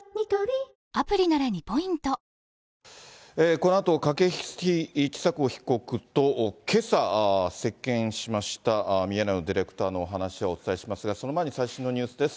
このあと、筧千佐子被告とけさ、接見しましたミヤネ屋のディレクターの話をお伝えしますが、その前に最新のニュースです。